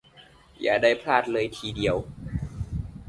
อย่าได้พลาดเลยทีเดียว